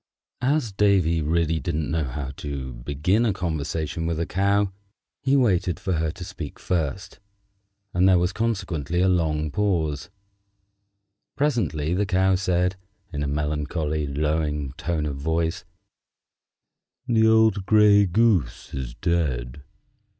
As Davy really didn't know how to begin a conversation with a Cow, he waited for her to speak first, and there was consequently a long pause. Presently the Cow said, in a melancholy, lowing tone of voice, "The old gray goose is dead."